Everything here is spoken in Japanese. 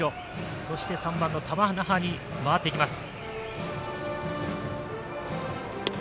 そして、３番の玉那覇に回っていきます。